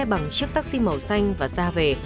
bằng chiếc taxi màu xanh và ra về